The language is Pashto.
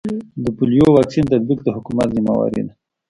د پولیو واکسین تطبیق د حکومت ذمه واري ده